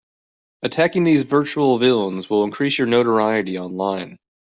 Attacking these virtual villains will increase your notoriety online.